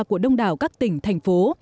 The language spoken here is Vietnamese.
của đông đảo các tỉnh thành phố